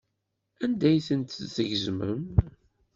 Anda ay tent-teẓẓgem?